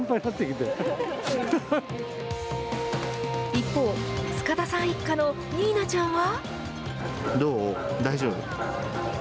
一方、塚田さん一家の仁南ちゃんは。